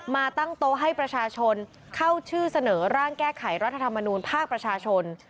มาตั้งโต๊ะให้ประชาชนเข้าชื่อเสนอร่างแก้ไขรัฐธรรมนูญภาคประชาชน